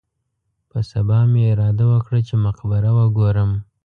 په سبا مې اراده وکړه چې مقبره وګورم.